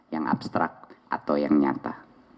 yang abstrak atau yang nyata